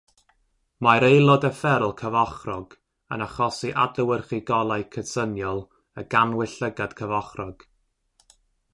Mae'r aelod efferol cyfochrog yn achosi adlewyrchu golau cydsyniol y gannwyll llygad cyfochrog.